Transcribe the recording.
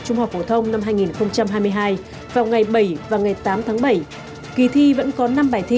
tại khu công nghiệp trung học phổ thông năm hai nghìn hai mươi hai vào ngày bảy và ngày tám tháng bảy kỳ thi vẫn có năm bài thi